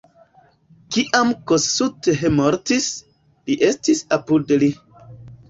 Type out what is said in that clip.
Kiam Kossuth mortis, li estis apud li.